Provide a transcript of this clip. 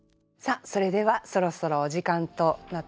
それではそろそろお時間となってまいりました。